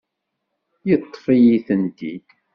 Yeṭṭef-iyi-tent-id.